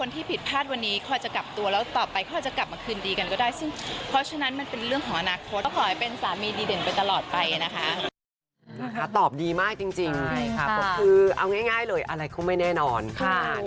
ตอบดีมากจริงค่ะเอาง่ายเลยอะไรก็ไม่แน่นอนค่ะ